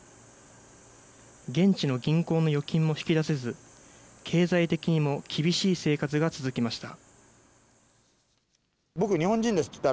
現地の銀行の預金も引き出せず、経済的にも厳しい生活が続きました。